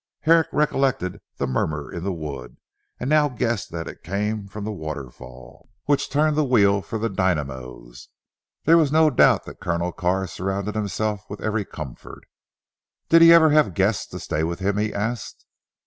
Herrick recollected the murmur in the wood, and now guessed that it came from the waterfall, which turned the wheel for the dynamos. There was no doubt that Colonel Carr surrounded himself with every comfort. "Did he ever have guests to stay with him?" he asked.